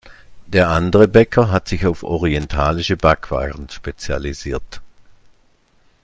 Der andere Bäcker hat sich auf orientalische Backwaren spezialisiert.